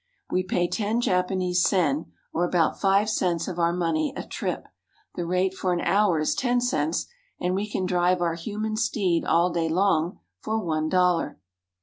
We pay ten Japanese sen or about five cents of our money a trip. The rate for an hour is ten cents, and we can drive our human steed all day long for one dollar.